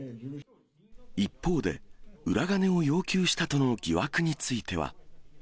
一方で、裏金を要求したとの疑惑については。